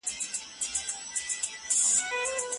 بیا به ښکلی کندهار وي نه به شیخ نه به اغیار وي